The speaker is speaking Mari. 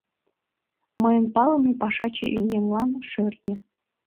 Мыйын палыме пашаче еҥлан — шӧртньӧ.